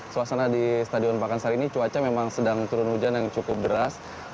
suasana di stadion pakansari ini cuaca memang sedang turun hujan yang cukup deras